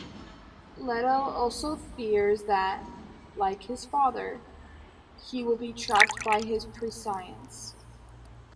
Leto also fears that, like his father, he will be trapped by his prescience.